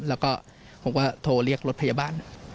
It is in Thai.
แล้วก็ผมก็โทรเรียกรถพยาบาล